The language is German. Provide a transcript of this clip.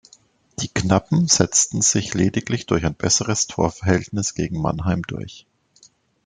Die „Knappen“ setzten sich lediglich durch ein besseres Torverhältnis gegen Mannheim durch.